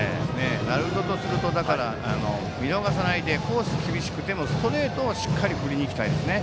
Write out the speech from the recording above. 鳴門とすると見逃さないでコースが厳しくてもストレートをしっかり振りに行きたいですね。